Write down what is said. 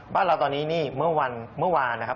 บ้านเราตอนนี้เมื่อวานนะครับ